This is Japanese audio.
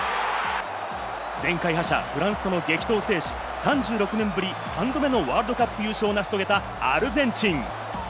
前回覇者・フランスとの激闘を制し、３６年ぶり３度目のワールドカップ優勝を成し遂げたアルゼンチン。